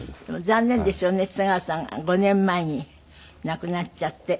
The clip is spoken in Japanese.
残念ですよね津川さん５年前に亡くなっちゃって。